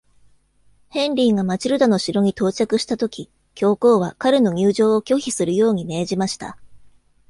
ヘンリーがマチルダの城に到着したとき、教皇は彼の入城を拒否するように命じました。